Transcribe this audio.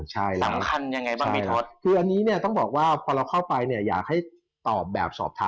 สำคัญยังไงบ้างบีทฤ